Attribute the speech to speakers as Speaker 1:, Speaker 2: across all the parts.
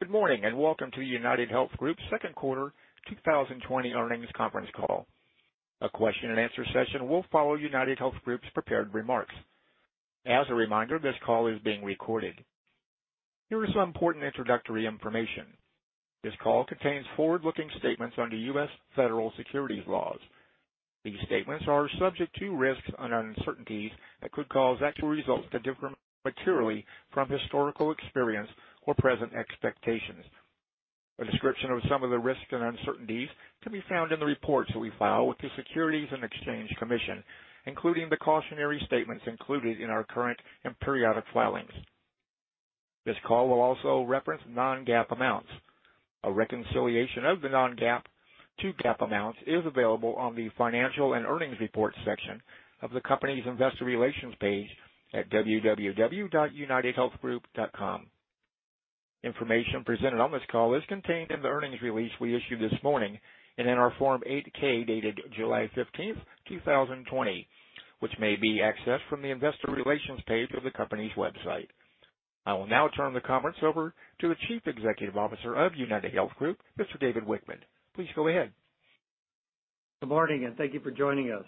Speaker 1: Good morning, welcome to UnitedHealth Group's second quarter 2020 earnings conference call. A question and answer session will follow UnitedHealth Group's prepared remarks. As a reminder, this call is being recorded. Here is some important introductory information. This call contains forward-looking statements under U.S. federal securities laws. These statements are subject to risks and uncertainties that could cause actual results to differ materially from historical experience or present expectations. A description of some of the risks and uncertainties can be found in the reports that we file with the Securities and Exchange Commission, including the cautionary statements included in our current and periodic filings. This call will also reference non-GAAP amounts. A reconciliation of the non-GAAP to GAAP amounts is available on the Financial and Earnings Reports section of the company's investor relations page at unitedhealthgroup.com. Information presented on this call is contained in the earnings release we issued this morning and in our Form 8-K, dated July 15th, 2020, which may be accessed from the Investor Relations page of the company's website. I will now turn the conference over to the Chief Executive Officer of UnitedHealth Group, Mr. David Wichmann. Please go ahead.
Speaker 2: Good morning, thank you for joining us.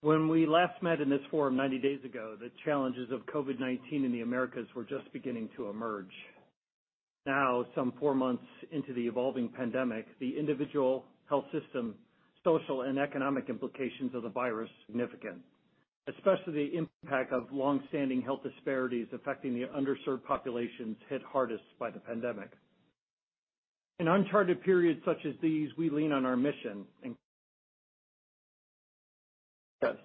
Speaker 2: When we last met in this forum 90 days ago, the challenges of COVID-19 in the Americas were just beginning to emerge. Now, some four months into the evolving pandemic, the individual health system, social, and economic implications of the virus are significant, especially the impact of longstanding health disparities affecting the underserved populations hit hardest by the pandemic. In uncharted periods such as these, we lean on our mission. Yes.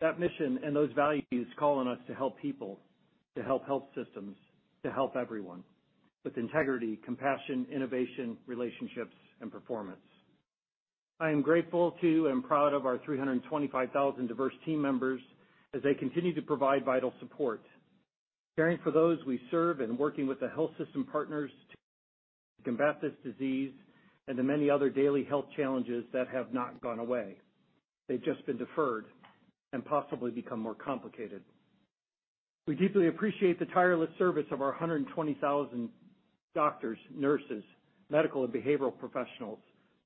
Speaker 2: That mission and those values call on us to help people, to help health systems, to help everyone with integrity, compassion, innovation, relationships, and performance. I am grateful to and proud of our 325,000 diverse team members as they continue to provide vital support, caring for those we serve and working with the health system partners to combat this disease and the many other daily health challenges that have not gone away. They've just been deferred and possibly become more complicated. We deeply appreciate the tireless service of our 120,000 doctors, nurses, medical and behavioral professionals,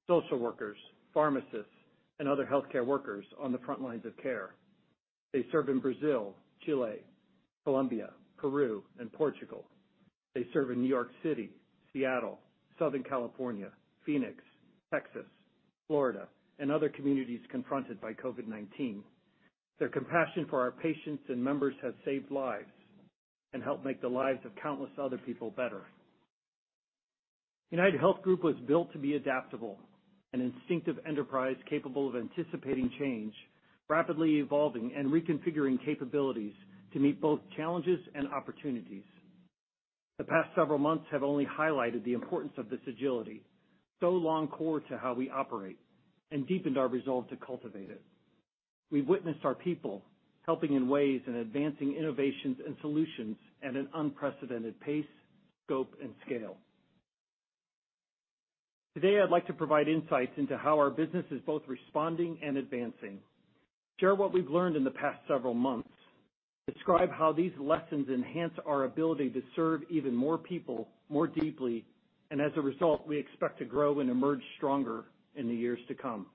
Speaker 2: social workers, pharmacists, and other healthcare workers on the front lines of care. They serve in Brazil, Chile, Colombia, Peru, and Portugal. They serve in New York City, Seattle, Southern California, Phoenix, Texas, Florida, and other communities confronted by COVID-19. Their compassion for our patients and members has saved lives and helped make the lives of countless other people better. UnitedHealth Group was built to be adaptable, an instinctive enterprise capable of anticipating change, rapidly evolving, and reconfiguring capabilities to meet both challenges and opportunities. The past several months have only highlighted the importance of this agility, so long core to how we operate, and deepened our resolve to cultivate it. We've witnessed our people helping in ways and advancing innovations and solutions at an unprecedented pace, scope, and scale. Today, I'd like to provide insights into how our business is both responding and advancing, share what we've learned in the past several months, describe how these lessons enhance our ability to serve even more people more deeply, and as a result, we expect to grow and emerge stronger in the years to come.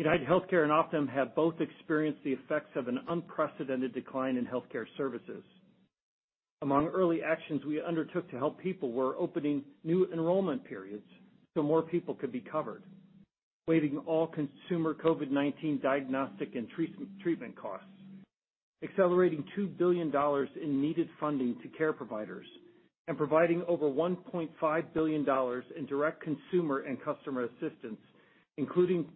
Speaker 2: UnitedHealthcare and Optum have both experienced the effects of an unprecedented decline in healthcare services. Among early actions we undertook to help people were opening new enrollment periods so more people could be covered, waiving all consumer COVID-19 diagnostic and treatment costs, accelerating $2 billion in needed funding to care providers, and providing over $1.5 billion in direct consumer and customer assistance, including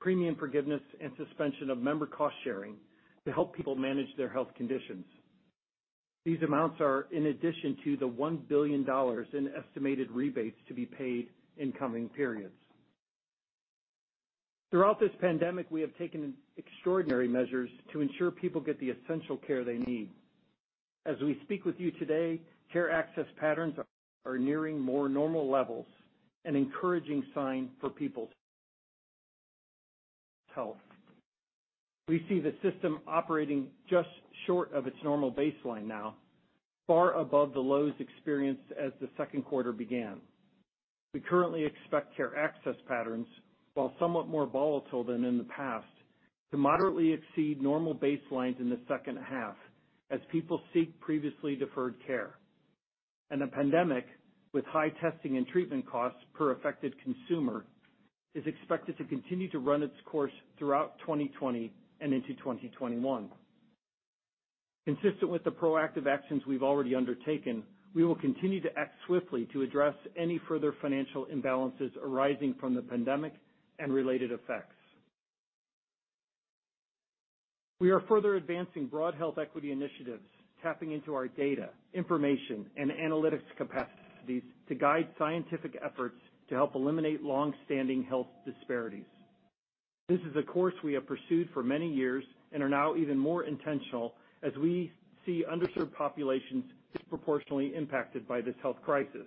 Speaker 2: premium forgiveness and suspension of member cost-sharing to help people manage their health conditions. These amounts are in addition to the $1 billion in estimated rebates to be paid in coming periods. Throughout this pandemic, we have taken extraordinary measures to ensure people get the essential care they need. As we speak with you today, care access patterns are nearing more normal levels, an encouraging sign for people's health. We see the system operating just short of its normal baseline now, far above the lows experienced as the second quarter began. We currently expect care access patterns, while somewhat more volatile than in the past, to moderately exceed normal baselines in the second half as people seek previously deferred care. A pandemic with high testing and treatment costs per affected consumer is expected to continue to run its course throughout 2020 and into 2021. Consistent with the proactive actions we've already undertaken, we will continue to act swiftly to address any further financial imbalances arising from the pandemic and related effects. We are further advancing broad health equity initiatives, tapping into our data, information, and analytics capacities to guide scientific efforts to help eliminate longstanding health disparities. This is a course we have pursued for many years and are now even more intentional as we see underserved populations disproportionately impacted by this health crisis.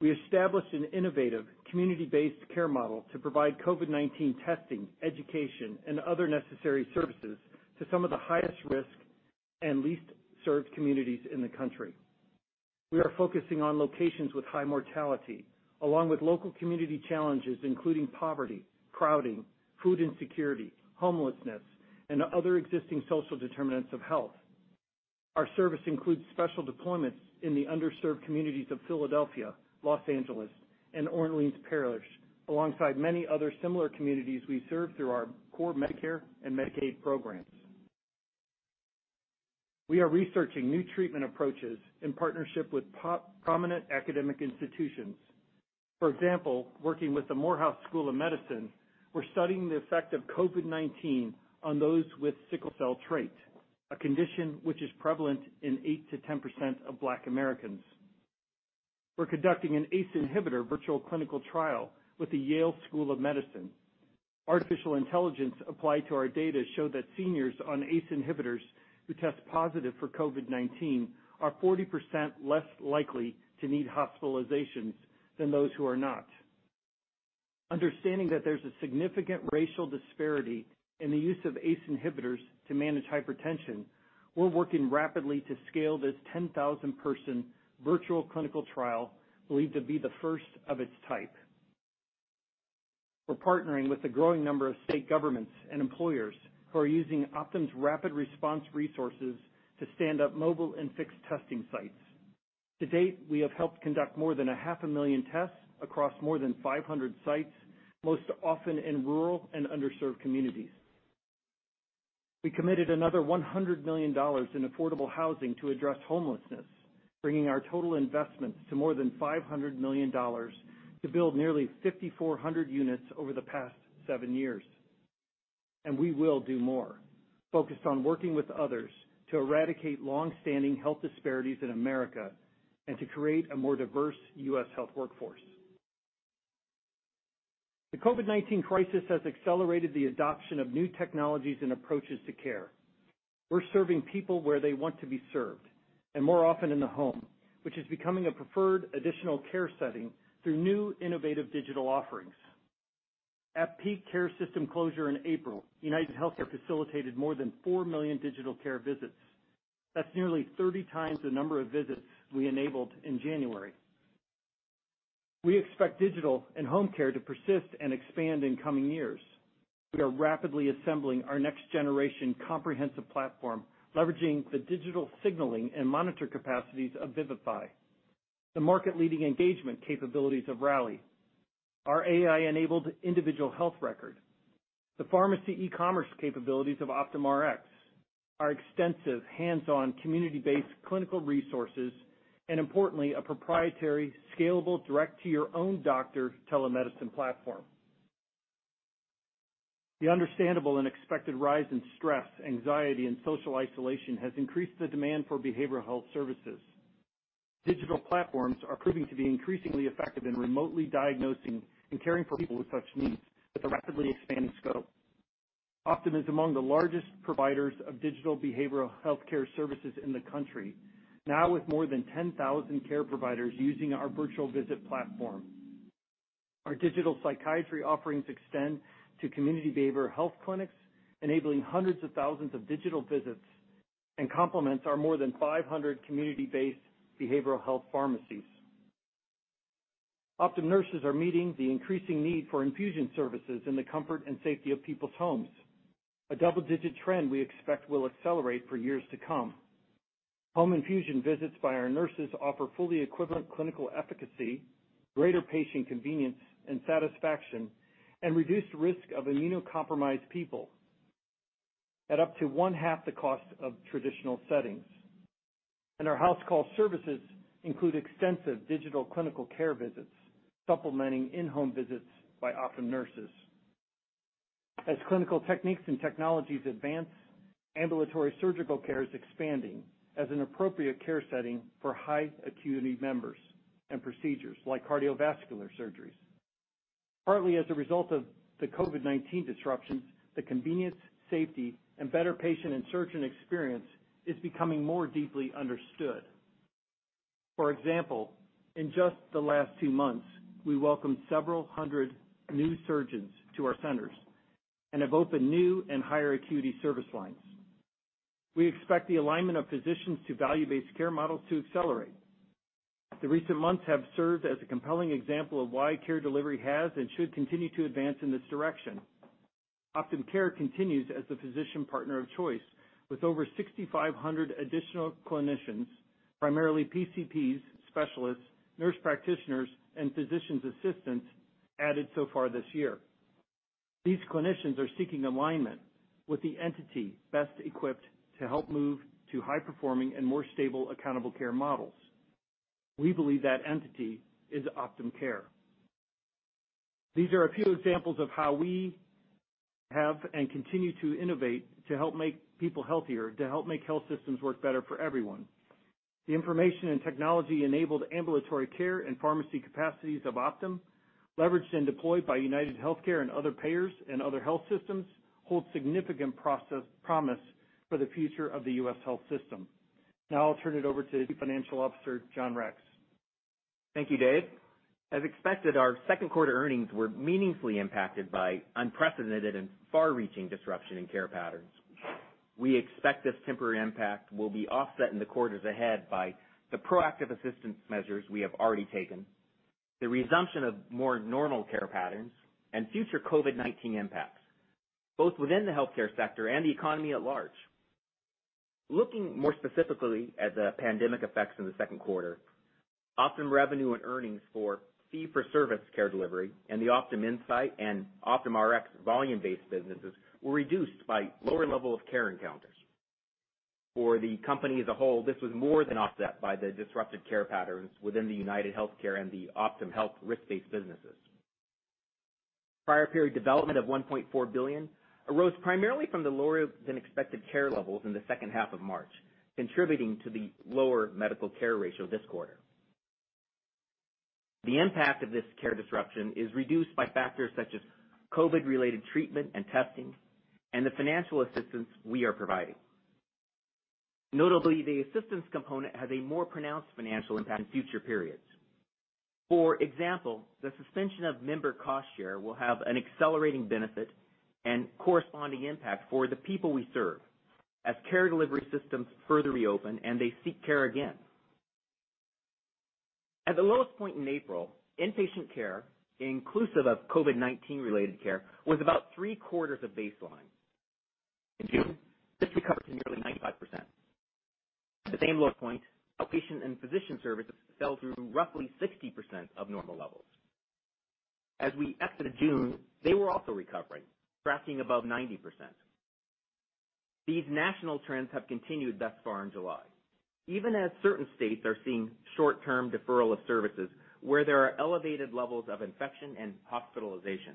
Speaker 2: We established an innovative community-based care model to provide COVID-19 testing, education, and other necessary services to some of the highest risk and least served communities in the country. We are focusing on locations with high mortality, along with local community challenges, including poverty, crowding, food insecurity, homelessness, and other existing social determinants of health. Our service includes special deployments in the underserved communities of Philadelphia, Los Angeles, and Orleans Parish, alongside many other similar communities we serve through our core Medicare and Medicaid programs. We are researching new treatment approaches in partnership with prominent academic institutions. For example, working with the Morehouse School of Medicine, we're studying the effect of COVID-19 on those with sickle cell trait, a condition which is prevalent in 8%-10% of Black Americans. We're conducting an ACE inhibitor virtual clinical trial with the Yale School of Medicine. Artificial intelligence applied to our data show that seniors on ACE inhibitors who test positive for COVID-19 are 40% less likely to need hospitalizations than those who are not. Understanding that there's a significant racial disparity in the use of ACE inhibitors to manage hypertension, we're working rapidly to scale this 10,000-person virtual clinical trial, believed to be the first of its type. We're partnering with a growing number of state governments and employers who are using Optum's rapid response resources to stand up mobile and fixed testing sites. To date, we have helped conduct more than a half a million tests across more than 500 sites, most often in rural and underserved communities. We committed another $100 million in affordable housing to address homelessness, bringing our total investments to more than $500 million to build nearly 5,400 units over the past seven years. We will do more, focused on working with others to eradicate longstanding health disparities in America and to create a more diverse U.S. health workforce. The COVID-19 crisis has accelerated the adoption of new technologies and approaches to care. We're serving people where they want to be served, and more often in the home, which is becoming a preferred additional care setting through new innovative digital offerings. At peak care system closure in April, UnitedHealthcare facilitated more than 4 million digital care visits. That's nearly 30 times the number of visits we enabled in January. We expect digital and home care to persist and expand in coming years. We are rapidly assembling our next generation comprehensive platform, leveraging the digital signaling and monitor capacities of Vivify, the market leading engagement capabilities of Rally, our AI-enabled individual health record, the pharmacy e-commerce capabilities of OptumRx, our extensive hands-on community-based clinical resources, and importantly, a proprietary, scalable, direct-to-your-own doctor telemedicine platform. The understandable and expected rise in stress, anxiety, and social isolation has increased the demand for behavioral health services. Digital platforms are proving to be increasingly effective in remotely diagnosing and caring for people with such needs at a rapidly expanding scope. Optum is among the largest providers of digital behavioral health care services in the country, now with more than 10,000 care providers using our virtual visit platform. Our digital psychiatry offerings extend to community behavioral health clinics, enabling hundreds of thousands of digital visits and complements our more than 500 community-based behavioral health pharmacies. Optum nurses are meeting the increasing need for infusion services in the comfort and safety of people's homes. A double-digit trend we expect will accelerate for years to come. Home infusion visits by our nurses offer fully equivalent clinical efficacy, greater patient convenience and satisfaction, and reduced risk of immunocompromised people at up to one half the cost of traditional settings. Our house call services include extensive digital clinical care visits, supplementing in-home visits by Optum nurses. As clinical techniques and technologies advance, ambulatory surgical care is expanding as an appropriate care setting for high acuity members and procedures like cardiovascular surgeries. Partly as a result of the COVID-19 disruptions, the convenience, safety, and better patient and surgeon experience is becoming more deeply understood. For example, in just the last two months, we welcomed several hundred new surgeons to our centers and have opened new and higher acuity service lines. We expect the alignment of physicians to value-based care models to accelerate. The recent months have served as a compelling example of why care delivery has and should continue to advance in this direction. OptumCare continues as the physician partner of choice with over 6,500 additional clinicians, primarily PCPs, specialists, nurse practitioners, and physician assistants, added so far this year. These clinicians are seeking alignment with the entity best equipped to help move to high performing and more stable accountable care models. We believe that entity is OptumCare. These are a few examples of how we have and continue to innovate to help make people healthier, to help make health systems work better for everyone. The information and technology-enabled ambulatory care and pharmacy capacities of Optum leveraged and deployed by UnitedHealthcare and other payers and other health systems, holds significant promise for the future of the U.S. health system. I'll turn it over to Financial Officer John Rex.
Speaker 3: Thank you, Dave. As expected, our second quarter earnings were meaningfully impacted by unprecedented and far-reaching disruption in care patterns. We expect this temporary impact will be offset in the quarters ahead by the proactive assistance measures we have already taken, the resumption of more normal care patterns, and future COVID-19 impacts, both within the healthcare sector and the economy at large. Looking more specifically at the pandemic effects in the second quarter, Optum revenue and earnings for fee-for-service care delivery and the OptumInsight and Optum Rx volume-based businesses were reduced by lower level of care encounters. For the company as a whole, this was more than offset by the disrupted care patterns within the UnitedHealthcare and the OptumHealth risk-based businesses. Prior period development of $1.4 billion arose primarily from the lower than expected care levels in the second half of March, contributing to the lower medical care ratio this quarter. The impact of this care disruption is reduced by factors such as COVID-related treatment and testing and the financial assistance we are providing. Notably, the assistance component has a more pronounced financial impact in future periods. For example, the suspension of member cost share will have an accelerating benefit and corresponding impact for the people we serve as care delivery systems further reopen and they seek care again. At the lowest point in April, inpatient care, inclusive of COVID-19 related care, was about three-quarters of baseline. In June, this recovered to nearly 95%. At the same low point, outpatient and physician services fell to roughly 60% of normal levels. As we exited June, they were also recovering, tracking above 90%. These national trends have continued thus far in July. Even as certain states are seeing short-term deferral of services where there are elevated levels of infection and hospitalization.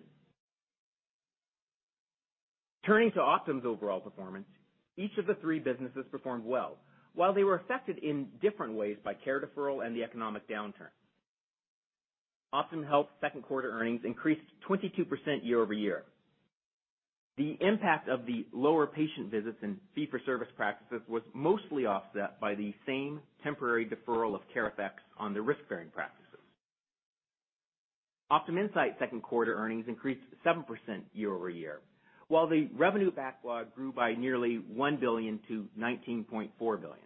Speaker 3: Turning to Optum's overall performance, each of the three businesses performed well. They were affected in different ways by care deferral and the economic downturn. Optum Health second quarter earnings increased 22% year-over-year. The impact of the lower patient visits and fee-for-service practices was mostly offset by the same temporary deferral of care effects on the risk-bearing practices. Optum Insight second quarter earnings increased 7% year-over-year. The revenue backlog grew by nearly $1 billion to $19.4 billion.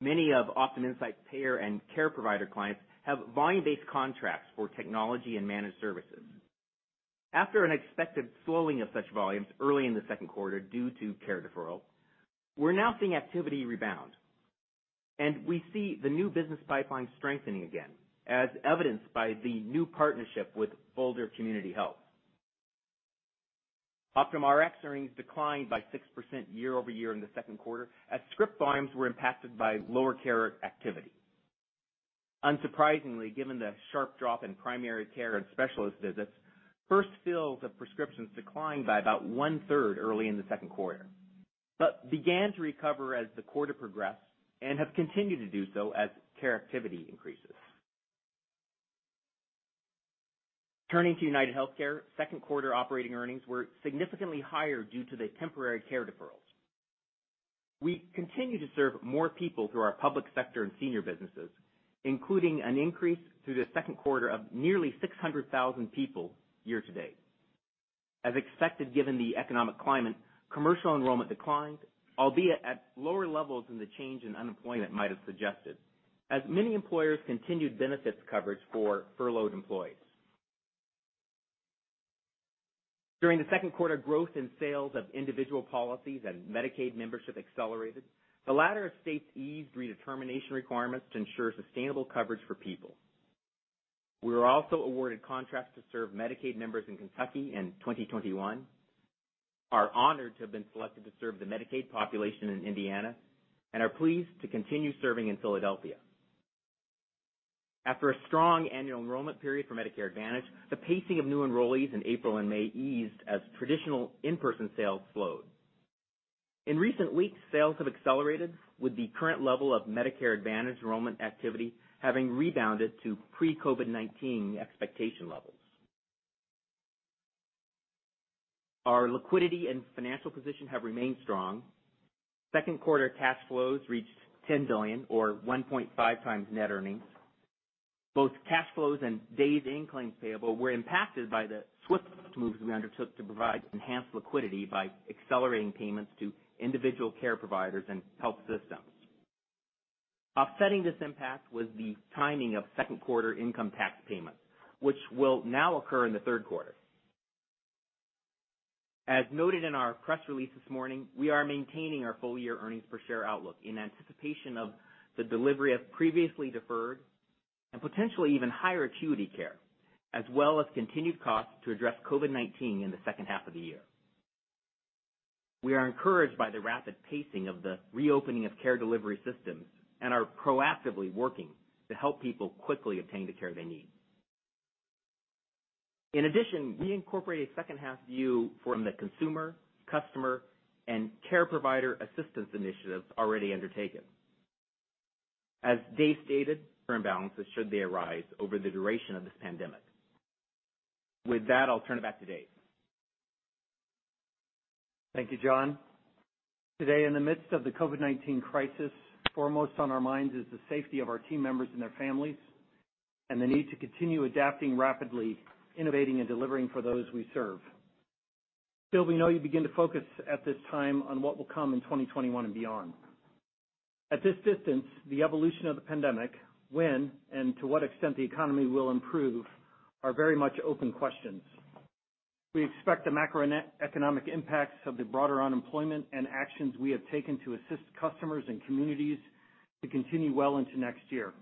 Speaker 3: Many of Optum Insight payer and care provider clients have volume-based contracts for technology and managed services. After an expected slowing of such volumes early in the second quarter due to care deferral, we're now seeing activity rebound. We see the new business pipeline strengthening again, as evidenced by the new partnership with Boulder Community Health. Optum Rx earnings declined by 6% year-over-year in the second quarter, as script volumes were impacted by lower care activity. Unsurprisingly, given the sharp drop in primary care and specialist visits, first fills of prescriptions declined by about one-third early in the second quarter, but began to recover as the quarter progressed and have continued to do so as care activity increases. Turning to UnitedHealthcare, second quarter operating earnings were significantly higher due to the temporary care deferrals. We continue to serve more people through our public sector and senior businesses, including an increase through the second quarter of nearly 600,000 people year to date. As expected, given the economic climate, commercial enrollment declined, albeit at lower levels than the change in unemployment might have suggested, as many employers continued benefits coverage for furloughed employees. During the second quarter, growth in sales of individual policies and Medicaid membership accelerated, the latter as states eased redetermination requirements to ensure sustainable coverage for people. We were also awarded contracts to serve Medicaid members in Kentucky in 2021, are honored to have been selected to serve the Medicaid population in Indiana, and are pleased to continue serving in Philadelphia. After a strong annual enrollment period for Medicare Advantage, the pacing of new enrollees in April and May eased as traditional in-person sales slowed. In recent weeks, sales have accelerated with the current level of Medicare Advantage enrollment activity having rebounded to pre-COVID-19 expectation levels. Our liquidity and financial position have remained strong. Second quarter cash flows reached $10 billion, or 1.5 times net earnings. Both cash flows and days in claims payable were impacted by the swift moves we undertook to provide enhanced liquidity by accelerating payments to individual care providers and health systems. Offsetting this impact was the timing of second quarter income tax payments, which will now occur in the third quarter. As noted in our press release this morning, we are maintaining our full year earnings per share outlook in anticipation of the delivery of previously deferred and potentially even higher acuity care, as well as continued costs to address COVID-19 in the second half of the year. We are encouraged by the rapid pacing of the reopening of care delivery systems and are proactively working to help people quickly obtain the care they need. We incorporate a second half view from the consumer, customer, and care provider assistance initiatives already undertaken. As Dave stated, for imbalances should they arise over the duration of this pandemic. With that, I'll turn it back to Dave.
Speaker 2: Thank you, John. Today in the midst of the COVID-19 crisis, foremost on our minds is the safety of our team members and their families, and the need to continue adapting rapidly, innovating and delivering for those we serve. We know you begin to focus at this time on what will come in 2021 and beyond. At this distance, the evolution of the pandemic, when and to what extent the economy will improve are very much open questions. We expect the macroeconomic impacts of the broader unemployment and actions we have taken to assist customers and communities to continue well into next year.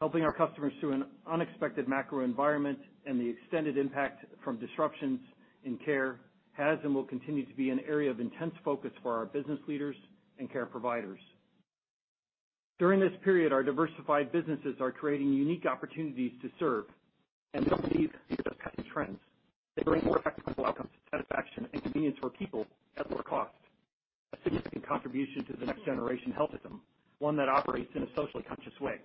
Speaker 2: Helping our customers through an unexpected macro environment and the extended impact from disruptions in care has and will continue to be an area of intense focus for our business leaders and care providers. During this period, our diversified businesses are creating unique opportunities to serve, and we don't believe these are passing trends. They bring more effective outcomes, satisfaction, and convenience for people at lower cost, a significant contribution to the next generation health system, one that operates in a socially conscious way.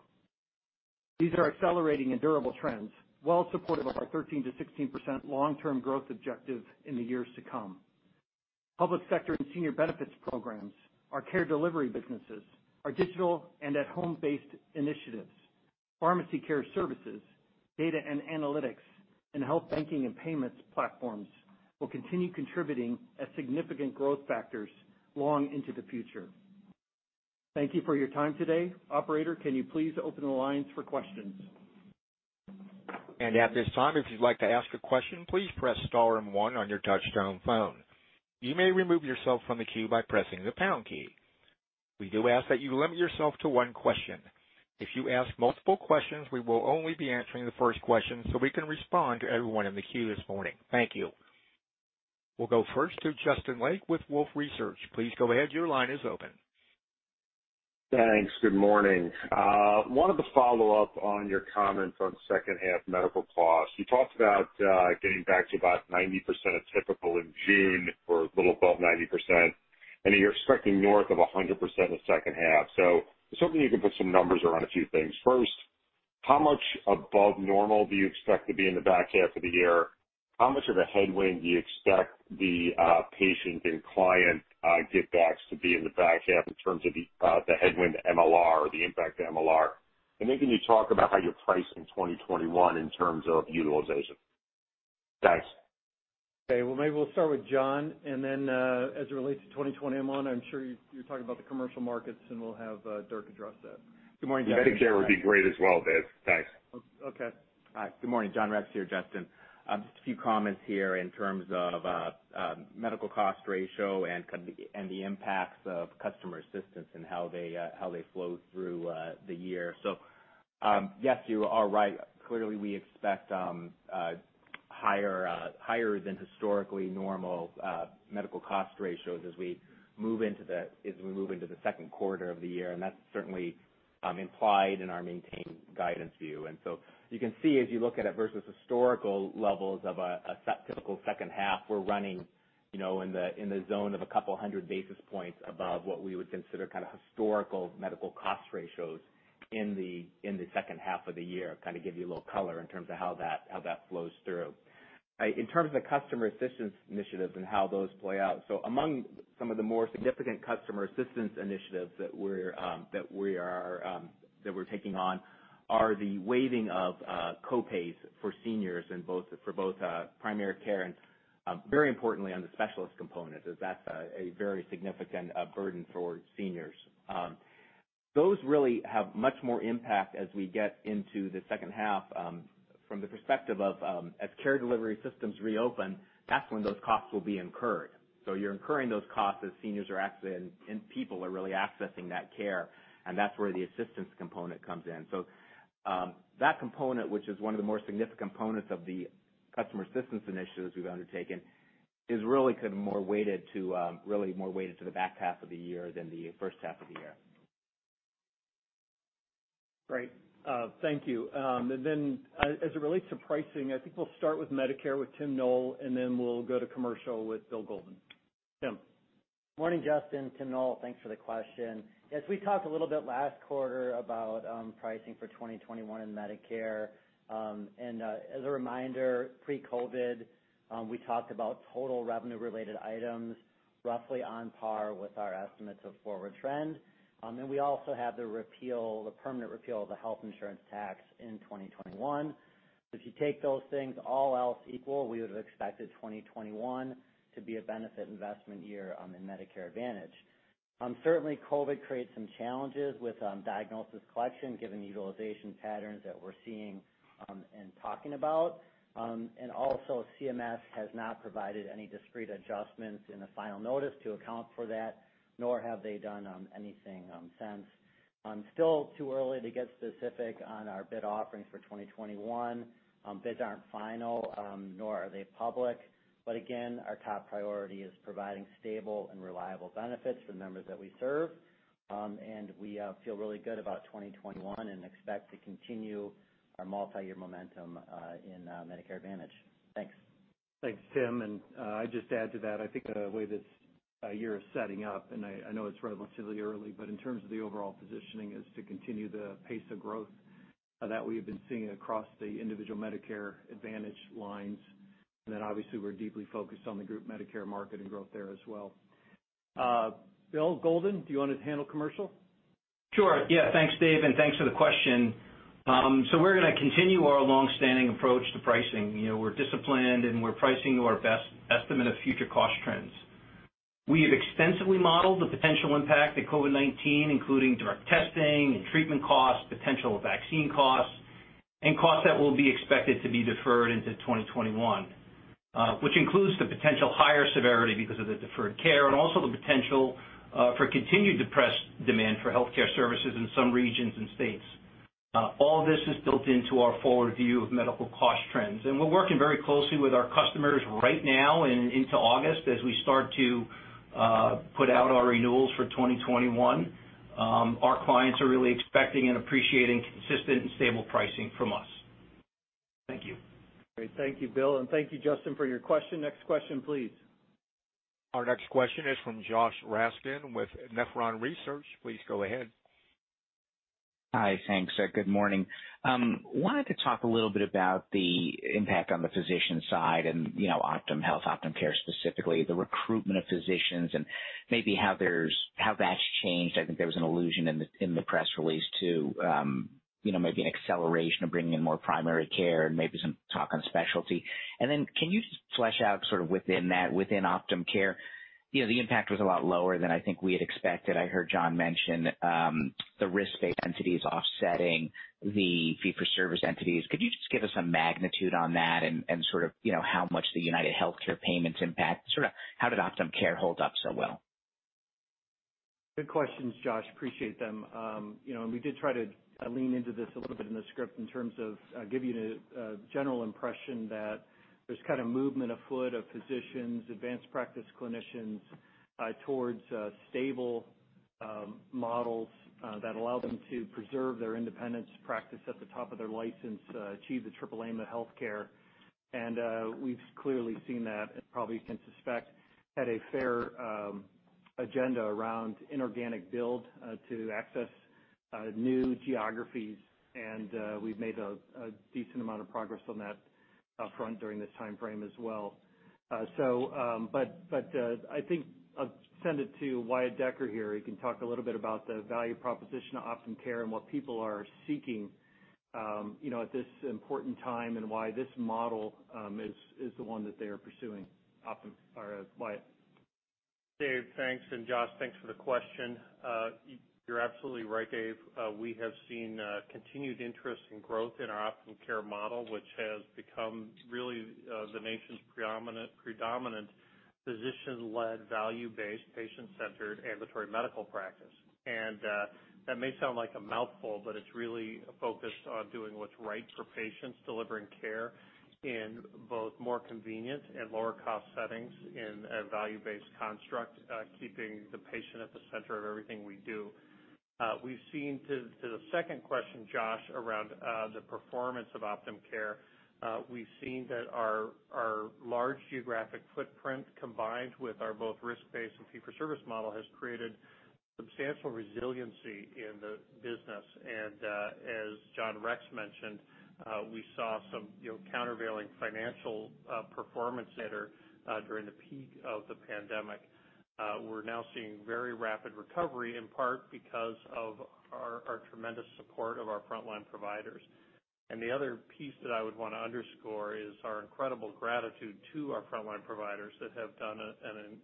Speaker 2: These are accelerating and durable trends, well supportive of our 13%-16% long-term growth objective in the years to come. Public sector and senior benefits programs, our care delivery businesses, our digital and at-home based initiatives, pharmacy care services, data and analytics, and health banking and payments platforms will continue contributing as significant growth factors long into the future. Thank you for your time today. Operator, can you please open the lines for questions?
Speaker 1: At this time, if you'd like to ask a question, please press star and one on your touchtone phone. You may remove yourself from the queue by pressing the pound key. We do ask that you limit yourself to one question. If you ask multiple questions, we will only be answering the first question so we can respond to everyone in the queue this morning. Thank you. We'll go first to Justin Lake with Wolfe Research. Please go ahead. Your line is open.
Speaker 4: Thanks. Good morning. I wanted to follow up on your comments on second half medical costs. You talked about getting back to about 90% of typical in June or a little above 90%, and you're expecting north of 100% in the second half. I was hoping you could put some numbers around a few things. First, how much above normal do you expect to be in the back half of the year? How much of a headwind do you expect the patient and client give backs to be in the back half in terms of the headwind MLR or the impact to MLR? Can you talk about how you're pricing 2021 in terms of utilization? Thanks.
Speaker 2: Okay. Well, maybe we'll start with John, and then as it relates to 2021, I'm sure you're talking about the commercial markets, and we'll have Dirk address that. Good morning, Justin.
Speaker 4: Medicare would be great as well, Dave. Thanks.
Speaker 2: Okay.
Speaker 3: Hi. Good morning, John Rex here, Justin. Just a few comments here in terms of medical cost ratio and the impacts of customer assistance and how they flow through the year. Yes, you are right. Clearly, we expect higher than historically normal medical cost ratios as we move into the second quarter of the year, and that's certainly implied in our maintained guidance view. You can see as you look at it versus historical levels of a typical second half, we're running in the zone of a couple hundred basis points above what we would consider kind of historical medical cost ratios in the second half of the year. Kind of give you a little color in terms of how that flows through. In terms of the customer assistance initiatives and how those play out, among some of the more significant customer assistance initiatives that we're taking on are the waiving of co-pays for seniors for both primary care and very importantly on the specialist component, as that's a very significant burden for seniors. Those really have much more impact as we get into the second half. From the perspective of, as care delivery systems reopen, that's when those costs will be incurred. You're incurring those costs as seniors are actually, and people are really accessing that care, and that's where the assistance component comes in. That component, which is one of the more significant components of the customer assistance initiatives we've undertaken, is really kind of more weighted to the back half of the year than the first half of the year.
Speaker 2: Great. Thank you. As it relates to pricing, I think we'll start with Medicare with Tim Noel, and then we'll go to commercial with Brian Golden. Tim.
Speaker 5: Morning, Justin. Tim Noel. Thanks for the question. As we talked a little bit last quarter about pricing for 2021 in Medicare, as a reminder, pre-COVID, we talked about total revenue related items roughly on par with our estimates of forward trend. We also have the permanent repeal of the health insurance tax in 2021. If you take those things all else equal, we would've expected 2021 to be a benefit investment year in Medicare Advantage. Certainly, COVID creates some challenges with diagnosis collection, given the utilization patterns that we're seeing and talking about. Also, CMS has not provided any discrete adjustments in the final notice to account for that, nor have they done anything since. Still too early to get specific on our bid offerings for 2021. Bids aren't final, nor are they public. Again, our top priority is providing stable and reliable benefits for the members that we serve. We feel really good about 2021 and expect to continue our multi-year momentum in Medicare Advantage. Thanks.
Speaker 2: Thanks, Tim. I'd just add to that, I think the way this year is setting up, and I know it's relatively early, but in terms of the overall positioning, is to continue the pace of growth that we have been seeing across the individual Medicare Advantage lines. Then obviously, we're deeply focused on the group Medicare market and growth there as well. Brian Golden, do you want to handle commercial?
Speaker 6: Sure. Yeah, thanks, Dave, and thanks for the question. We're going to continue our longstanding approach to pricing. We're disciplined, and we're pricing to our best estimate of future cost trends. We have extensively modeled the potential impact of COVID-19, including direct testing and treatment costs, potential vaccine costs, and costs that will be expected to be deferred into 2021, which includes the potential higher severity because of the deferred care and also the potential for continued depressed demand for healthcare services in some regions and states. All this is built into our forward view of medical cost trends, and we're working very closely with our customers right now and into August as we start to put out our renewals for 2021. Our clients are really expecting and appreciating consistent and stable pricing from us. Thank you.
Speaker 2: Great. Thank you, Brian. Thank you, Justin, for your question. Next question please.
Speaker 1: Our next question is from Joshua Raskin with Nephron Research. Please go ahead.
Speaker 7: Hi. Thanks. Good morning. Wanted to talk a little bit about the impact on the physician side and Optum Health, Optum Care specifically, the recruitment of physicians and maybe how that's changed. I think there was an allusion in the press release to maybe an acceleration of bringing in more primary care and maybe some talk on specialty. Then can you just flesh out sort of within that, within Optum Care? The impact was a lot lower than I think we had expected. I heard John mention the risk-based entities offsetting the fee-for-service entities. Could you just give us a magnitude on that and sort of how much the UnitedHealthcare payments impact? Sort of how did Optum Care hold up so well?
Speaker 2: Good questions, Josh. Appreciate them. We did try to lean into this a little bit in the script in terms of giving you the general impression that there's kind of movement afoot of physicians, advanced practice clinicians towards stable models that allow them to preserve their independence, practice at the top of their license, achieve the triple aim of healthcare. We've clearly seen that, and probably you can suspect, had a fair agenda around inorganic build to access new geographies. We've made a decent amount of progress on that front during this timeframe as well. I think I'll send it to Wyatt Decker here. He can talk a little bit about the value proposition of Optum Care and what people are seeking at this important time and why this model is the one that they are pursuing. Optum, or Wyatt.
Speaker 8: Dave, thanks. Josh, thanks for the question. You're absolutely right, Dave. We have seen continued interest and growth in our Optum Care model, which has become really the nation's predominant physician-led, value-based, patient-centered ambulatory medical practice. That may sound like a mouthful, but it's really focused on doing what's right for patients, delivering care in both more convenient and lower cost settings in a value-based construct, keeping the patient at the center of everything we do. To the second question, Josh, around the performance of Optum Care, we've seen that our large geographic footprint combined with our both risk-based and fee-for-service model has created substantial resiliency in the business. As John Rex mentioned, we saw some countervailing financial performance there during the peak of the pandemic. We're now seeing very rapid recovery, in part because of our tremendous support of our frontline providers. The other piece that I would want to underscore is our incredible gratitude to our frontline providers that have done an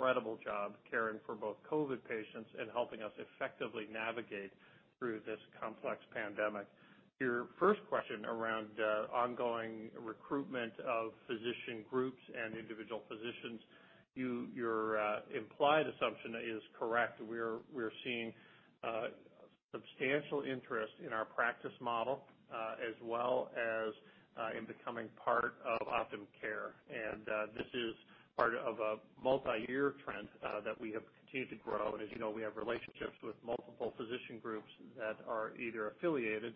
Speaker 8: incredible job caring for both COVID patients and helping us effectively navigate through this complex pandemic. To your first question around ongoing recruitment of physician groups and individual physicians, your implied assumption is correct. We're seeing substantial interest in our practice model as well as in becoming part of Optum Care. This is part of a multi-year trend that we have continued to grow. As you know, we have relationships with multiple physician groups that are either affiliated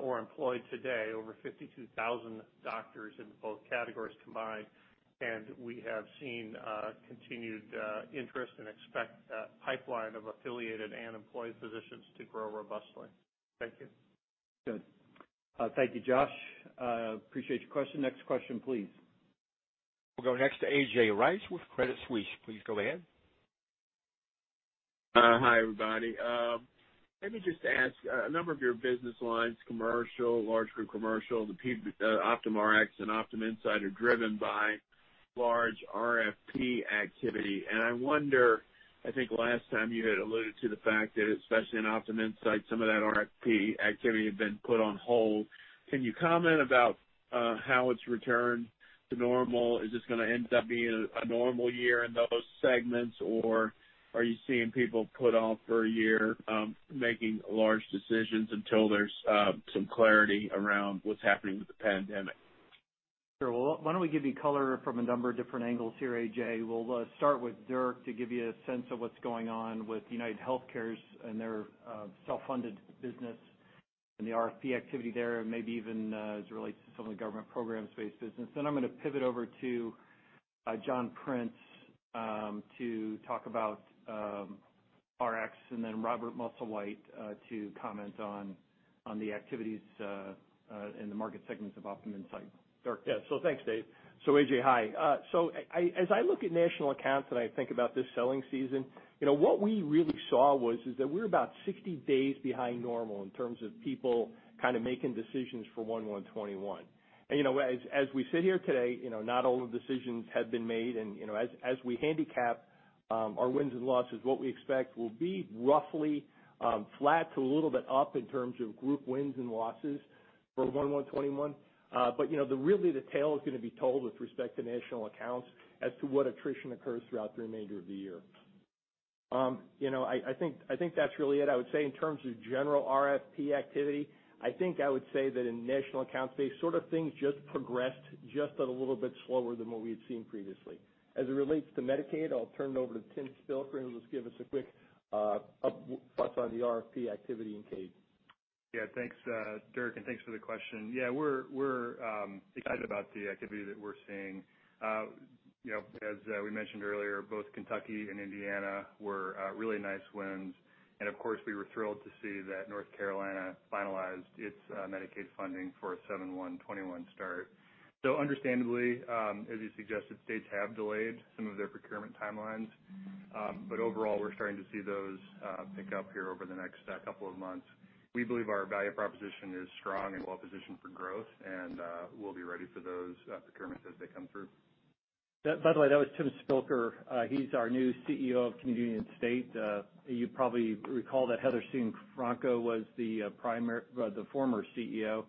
Speaker 8: or employed today, over 52,000 doctors in both categories combined. We have seen continued interest and expect that pipeline of affiliated and employed physicians to grow robustly. Thank you.
Speaker 2: Good. Thank you, Josh. Appreciate your question. Next question please.
Speaker 1: We'll go next to A.J. Rice with Credit Suisse. Please go ahead.
Speaker 9: Hi, everybody. Let me just ask, a number of your business lines, commercial, large group commercial, the Optum Rx and Optum Insight are driven by large RFP activity, and I wonder, I think last time you had alluded to the fact that especially in Optum Insight, some of that RFP activity had been put on hold. Can you comment about how it's returned to normal? Is this going to end up being a normal year in those segments, or are you seeing people put off for a year making large decisions until there's some clarity around what's happening with the pandemic?
Speaker 2: Sure. Well, why don't we give you color from a number of different angles here, A.J.? We'll start with Dirk to give you a sense of what's going on with UnitedHealthcare and their self-funded business and the RFP activity there, maybe even as it relates to some of the government programs-based business. I'm going to pivot over to John Prince, to talk about Rx, and then Robert Musslewhite to comment on the activities in the market segments of OptumInsight. Dirk?
Speaker 10: Yeah. Thanks, Dave. A.J., hi. As I look at national accounts and I think about this selling season, what we really saw was is that we're about 60 days behind normal in terms of people kind of making decisions for 1/1/2021. As we sit here today, not all the decisions have been made. As we handicap our wins and losses, what we expect will be roughly flat to a little bit up in terms of group wins and losses for 1/1/2021. Really the tale is going to be told with respect to national accounts as to what attrition occurs throughout the remainder of the year. I think that's really it. I would say in terms of general RFP activity, I think I would say that in national accounts-based sort of things just progressed just at a little bit slower than what we had seen previously. As it relates to Medicaid, I'll turn it over to Tim Spilker, who will just give us a quick thoughts on the RFP activity in CAID.
Speaker 11: Yeah. Thanks, Dirk, and thanks for the question. Yeah, we're excited about the activity that we're seeing. As we mentioned earlier, both Kentucky and Indiana were really nice wins, and of course, we were thrilled to see that North Carolina finalized its Medicaid funding for a 7/1/2021 start. Understandably, as you suggested, states have delayed some of their procurement timelines. Overall, we're starting to see those pick up here over the next couple of months. We believe our value proposition is strong and well-positioned for growth, and we'll be ready for those procurements as they come through.
Speaker 2: By the way, that was Tim Spilker. He's our new CEO of Community & State. You probably recall that Heather Cianfrocco was the former CEO.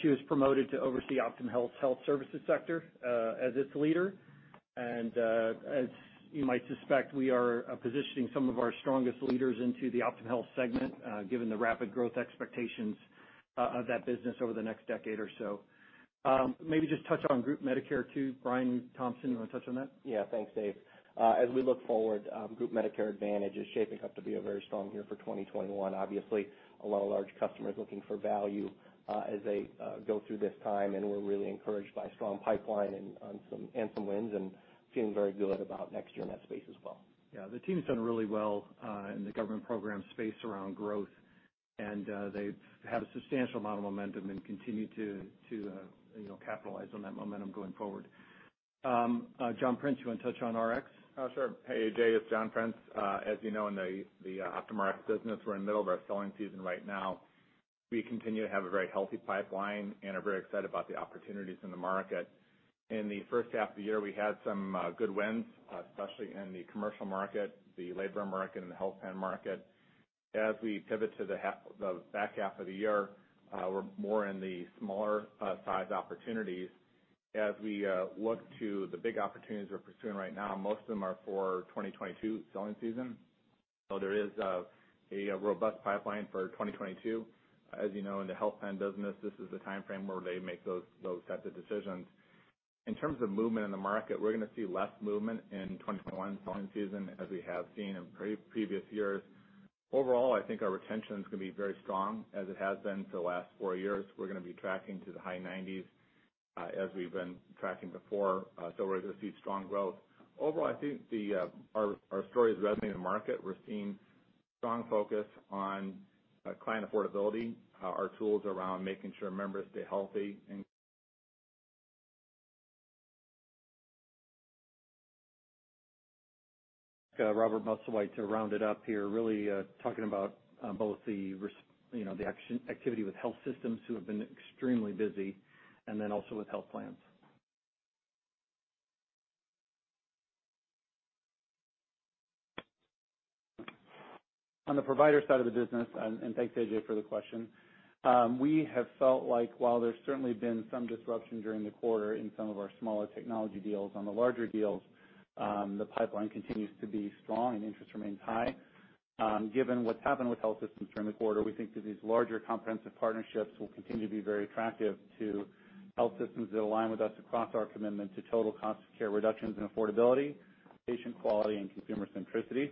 Speaker 2: She was promoted to oversee OptumHealth's health services sector, as its leader. As you might suspect, we are positioning some of our strongest leaders into the Optum Health segment, given the rapid growth expectations of that business over the next decade or so. Maybe just touch on group Medicare too. Brian Thompson, you want to touch on that?
Speaker 12: Yeah, thanks, Dave. As we look forward, group Medicare Advantage is shaping up to be very strong here for 2021. Obviously, a lot of large customers looking for value as they go through this time, and we're really encouraged by a strong pipeline and some wins and feeling very good about next year in that space as well.
Speaker 2: Yeah, the team's done really well in the Government Programs space around growth, and they have a substantial amount of momentum and continue to capitalize on that momentum going forward. John Prince, you want to touch on Rx?
Speaker 13: Sure. Hey, A.J., it's John Prince. As you know, in the Optum Rx business, we're in the middle of our selling season right now. We continue to have a very healthy pipeline and are very excited about the opportunities in the market. In the first half of the year, we had some good wins, especially in the commercial market, the labor market, and the health plan market. As we pivot to the back half of the year, we're more in the smaller size opportunities. As we look to the big opportunities we're pursuing right now, most of them are for 2022 selling season. There is a robust pipeline for 2022. As you know, in the health plan business, this is the timeframe where they make those sets of decisions. In terms of movement in the market, we're going to see less movement in 2021 selling season as we have seen in previous years. Overall, I think our retention's going to be very strong, as it has been for the last four years. We're going to be tracking to the high nineties, as we've been tracking before. We're going to see strong growth. Overall, I think our story is resonating in the market. We're seeing strong focus on client affordability, our tools around making sure members stay healthy and.
Speaker 2: Robert Musslewhite to round it up here, really talking about both the activity with health systems who have been extremely busy, and then also with health plans.
Speaker 14: On the provider side of the business, thanks, A.J., for the question, we have felt like while there's certainly been some disruption during the quarter in some of our smaller technology deals, on the larger deals, the pipeline continues to be strong and interest remains high. Given what's happened with health systems during the quarter, we think that these larger comprehensive partnerships will continue to be very attractive to health systems that align with us across our commitment to total cost of care reductions and affordability, patient quality, and consumer centricity.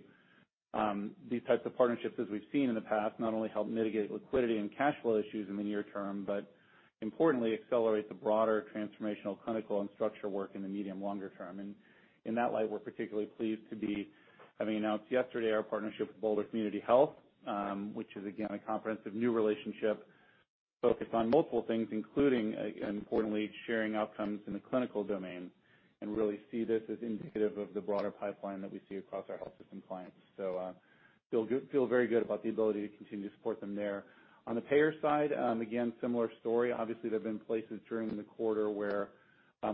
Speaker 14: These types of partnerships, as we've seen in the past, not only help mitigate liquidity and cash flow issues in the near term, but importantly, accelerate the broader transformational clinical and structural work in the medium longer term. In that light, we're particularly pleased to be having announced yesterday our partnership with Boulder Community Health, which is again, a comprehensive new relationship focused on multiple things, including, importantly, sharing outcomes in the clinical domain, and really see this as indicative of the broader pipeline that we see across our health system clients. Feel very good about the ability to continue to support them there. On the payer side, again, similar story. Obviously, there have been places during the quarter where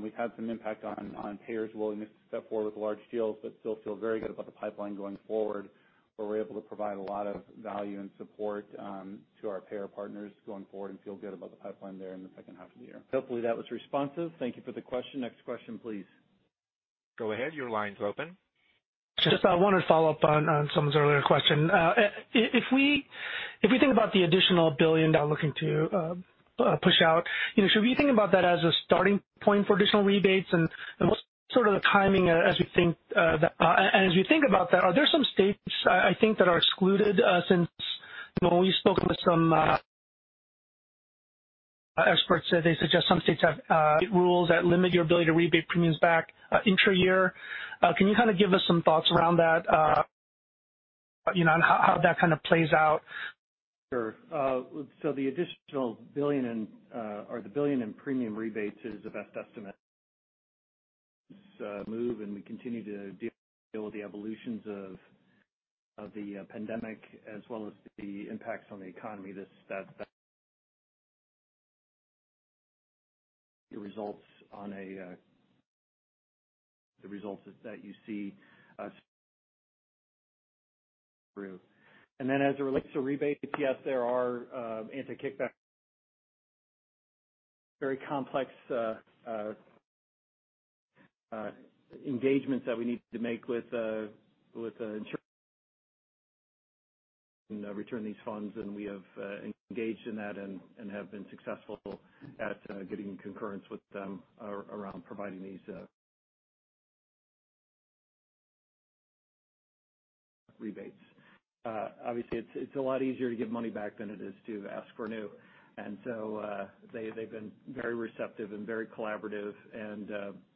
Speaker 14: we've had some impact on payers' willingness to step forward with large deals, but still feel very good about the pipeline going forward, where we're able to provide a lot of value and support to our payer partners going forward and feel good about the pipeline there in the second half of the year.
Speaker 2: Hopefully, that was responsive. Thank you for the question. Next question, please.
Speaker 1: Go ahead, your line's open.
Speaker 15: Just I wanted to follow up on someone's earlier question. If we think about the additional $1 billion now looking to push out, should we think about that as a starting point for additional rebates? What's sort of the timing as we think about that, are there some states, I think, that are excluded? Since we've spoken with some experts, they suggest some states have rules that limit your ability to rebate premiums back intra-year. Can you kind of give us some thoughts around that, and how that kind of plays out?
Speaker 10: Sure. The additional $1 billion or the $1 billion in premium rebates is a best estimate. It's a move, we continue to deal with the evolutions of the pandemic as well as the impacts on the economy that the results that you see us through. As it relates to rebates, yes, there are anti-kickback, very complex engagements that we need to make with the insurance, return these funds, and we have engaged in that and have been successful at getting concurrence with them around providing these rebates. Obviously, it's a lot easier to give money back than it is to ask for new. They've been very receptive and very collaborative and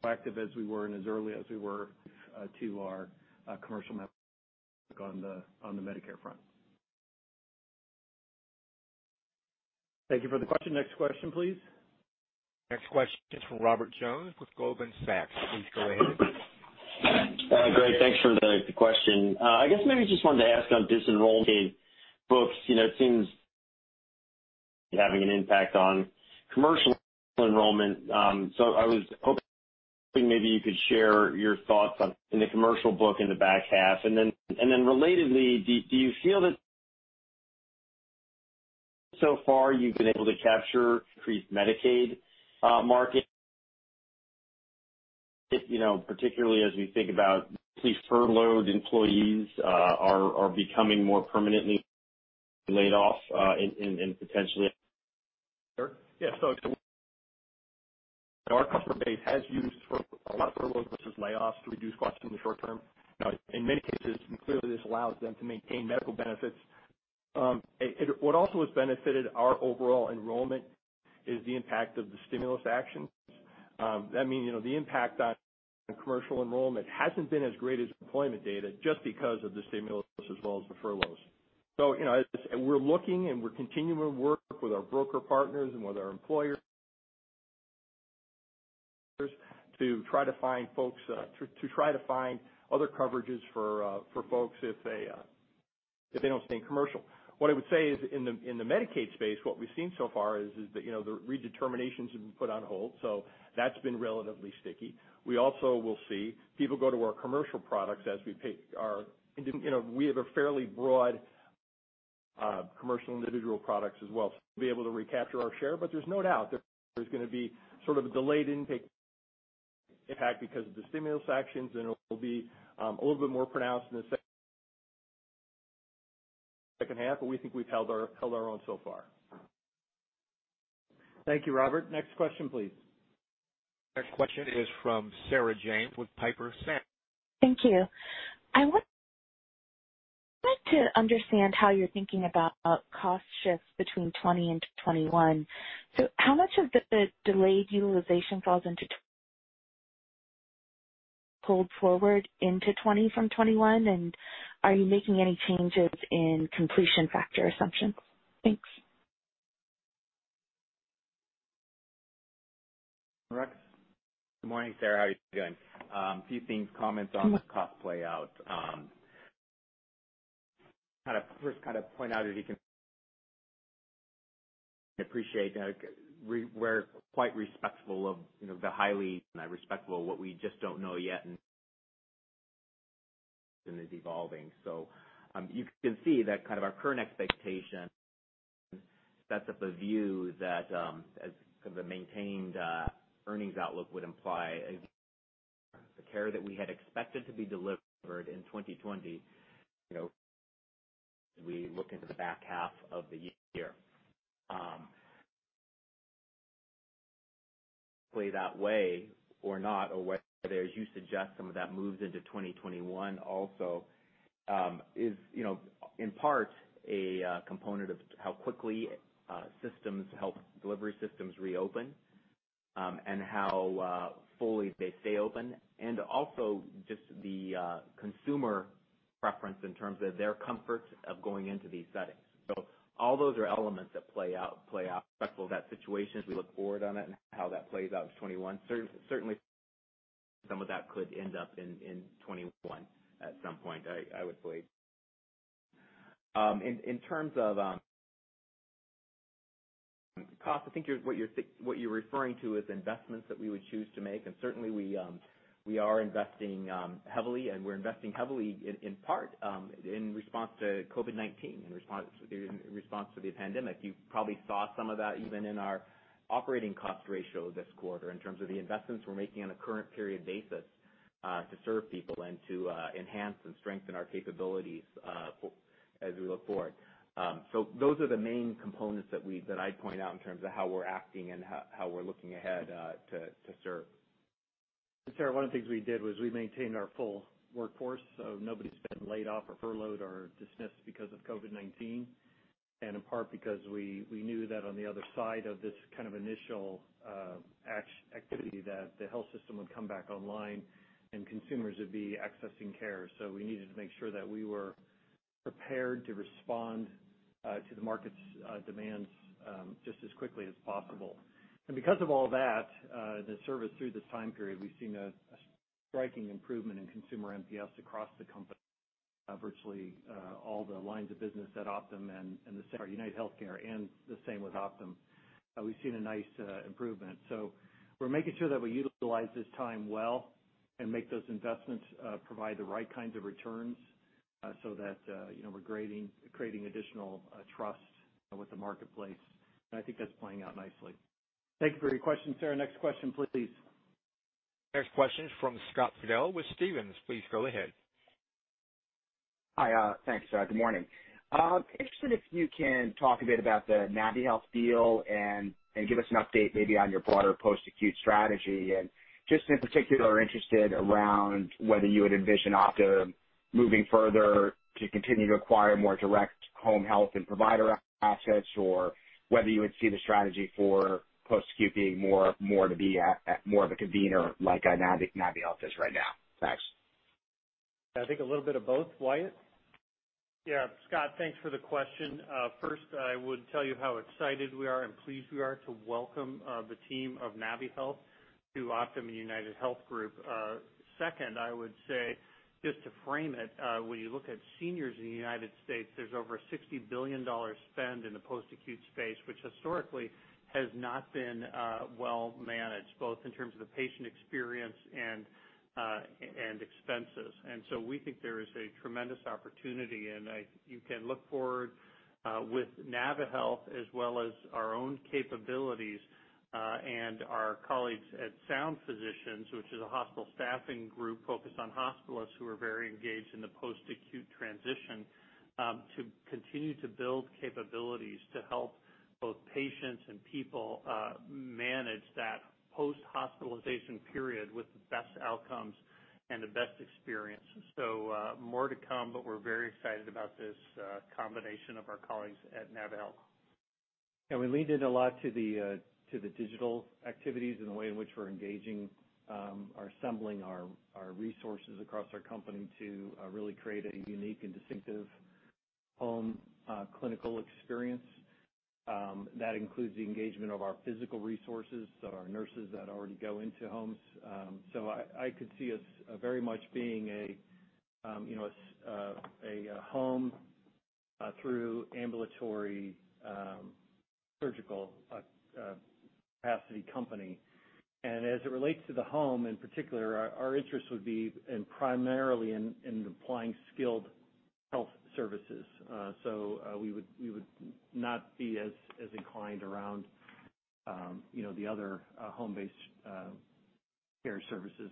Speaker 10: proactive as we were, and as early as we were to our commercial network on the Medicare front.
Speaker 1: Thank you for the question. Next question, please. Next question is from Robert Jones with Goldman Sachs. Please go ahead.
Speaker 16: Great. Thanks for the question. I guess maybe just wanted to ask on disenroll Medicaid books. It seems having an impact on commercial enrollment. I was hoping maybe you could share your thoughts on the commercial book in the back half. Relatedly, do you feel that so far you've been able to capture increased Medicaid market, particularly as we think about these furloughed employees are becoming more permanently laid off.
Speaker 10: Sure. Yeah. Our customer base has used a lot of furloughs versus layoffs to reduce costs in the short term. In many cases, clearly this allows them to maintain medical benefits. What also has benefited our overall enrollment is the impact of the stimulus actions. That means the impact on commercial enrollment hasn't been as great as employment data just because of the stimulus as well as the furloughs. We're looking and we're continuing to work with our broker partners and with our employers to try to find other coverages for folks if they don't stay in commercial. What I would say is in the Medicaid space, what we've seen so far is that the redeterminations have been put on hold, so that's been relatively sticky. We also will see people go to our commercial products as we have a fairly broad commercial individual products as well, so we'll be able to recapture our share. There's no doubt there's going to be sort of a delayed intake impact because of the stimulus actions. It will be a little bit more pronounced in the second half. We think we've held our own so far.
Speaker 1: Thank you, Robert. Next question, please. Next question is from Sarah James with Piper Sandler.
Speaker 17: Thank you. I would like to understand how you're thinking about cost shifts between 2020 and 2021. How much of the delayed utilization falls into pulled forward into 2020 from 2021? Are you making any changes in completion factor assumptions? Thanks.
Speaker 2: Rex.
Speaker 3: Good morning, Sarah. How are you doing? A few things, comments on the cost playout. First, point out, as you can appreciate, we're quite respectful of what we just don't know yet and is evolving. You can see that our current expectation sets up a view that as the maintained earnings outlook would imply the care that we had expected to be delivered in 2020, we look into the back half of the year. Play that way or not, or whether, as you suggest, some of that moves into 2021 also, is in part a component of how quickly health delivery systems reopen, and how fully they stay open. Also just the consumer preference in terms of their comfort of going into these settings. All those are elements that play out respectful of that situation as we look forward on it and how that plays out in 2021. Certainly, some of that could end up in 2021 at some point, I would believe. In terms of cost, I think what you're referring to is investments that we would choose to make, and certainly we are investing heavily, and we're investing heavily in part in response to COVID-19, in response to the pandemic. You probably saw some of that even in our operating cost ratio this quarter in terms of the investments we're making on a current period basis. To serve people and to enhance and strengthen our capabilities as we look forward. Those are the main components that I'd point out in terms of how we're acting and how we're looking ahead to serve.
Speaker 2: Sarah, one of the things we did was we maintained our full workforce. Nobody's been laid off or furloughed or dismissed because of COVID-19, in part because we knew that on the other side of this kind of initial activity, the health system would come back online and consumers would be accessing care. We needed to make sure that we were prepared to respond to the market's demands just as quickly as possible. Because of all that, the service through this time period, we've seen a striking improvement in consumer NPS across the company, virtually all the lines of business at Optum and the same at UnitedHealthcare, and the same with Optum. We've seen a nice improvement. We're making sure that we utilize this time well and make those investments provide the right kinds of returns so that we're creating additional trust with the marketplace. I think that's playing out nicely. Thank you for your question, Sarah. Next question, please.
Speaker 1: Next question is from Scott Fidel with Stephens. Please go ahead.
Speaker 18: Hi. Thanks. Good morning. I'm interested if you can talk a bit about the naviHealth deal and give us an update maybe on your broader post-acute strategy, and just in particular, interested around whether you would envision Optum moving further to continue to acquire more direct home health and provider assets or whether you would see the strategy for post-acute being more of a convener like naviHealth is right now. Thanks.
Speaker 2: I think a little bit of both. Wyatt?
Speaker 8: Yeah. Scott, thanks for the question. First, I would tell you how excited we are and pleased we are to welcome the team of naviHealth to Optum UnitedHealth Group. Second, I would say, just to frame it, when you look at seniors in the U.S., there's over $60 billion spend in the post-acute space, which historically has not been well managed, both in terms of the patient experience and expenses. We think there is a tremendous opportunity, and you can look forward with naviHealth as well as our own capabilities, and our colleagues at Sound Physicians, which is a hospital staffing group focused on hospitalists who are very engaged in the post-acute transition to continue to build capabilities to help both patients and people manage that post-hospitalization period with the best outcomes and the best experience. More to come, but we're very excited about this combination of our colleagues at naviHealth.
Speaker 2: We leaned in a lot to the digital activities and the way in which we're engaging or assembling our resources across our company to really create a unique and distinctive home clinical experience. That includes the engagement of our physical resources, so our nurses that already go into homes. I could see us very much being a home through ambulatory surgical capacity company. As it relates to the home in particular, our interest would be primarily in applying skilled health services. We would not be as inclined around the other home-based care services